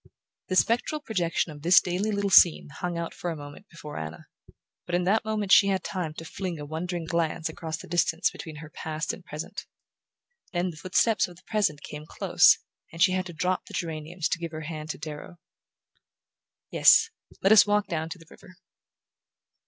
The spectral projection of this little daily scene hung but for a moment before Anna, but in that moment she had time to fling a wondering glance across the distance between her past and present. Then the footsteps of the present came close, and she had to drop the geraniums to give her hand to Darrow... "Yes, let us walk down to the river."